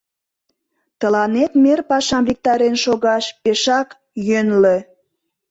Тыланет мер пашам виктарен шогаш пешак йӧнлӧ...